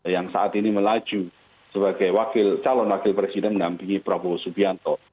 yang saat ini melaju sebagai calon wakil presiden mendampingi prabowo subianto